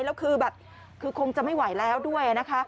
แล้วคือแบบคือคงจะไม่ไหวแล้วด้วยนะคะ